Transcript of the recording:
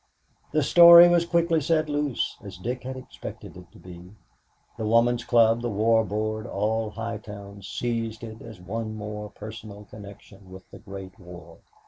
The story was quickly set loose, as Dick had expected it to be. The Woman's Club, the War Board, all High Town seized it as one more personal connection with the Great War.